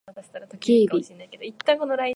警備